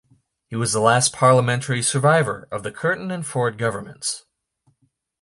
He was the last parliamentary survivor of the Curtin and Forde governments.